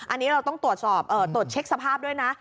อันนี้เราต้องตรวจสอบตรวจเช็คสภาพด้วยนะ